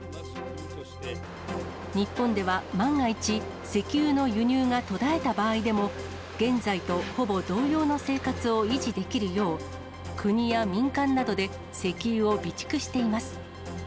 日本では万が一、石油の輸入が途絶えた場合でも、現在とほぼ同様の生活を維持できるよう、国や民間などで石油を備蓄しています。